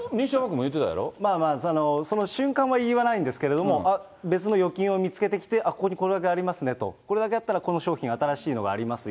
まあまあ、その瞬間は言わないんですけど、別の預金を見つけてきて、ここにこれだけありますねと、これだけあったら、この商品、新しいのがあります